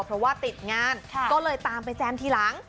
เพราะว่าติดงานก็เลยตามไปแจมทีหลัง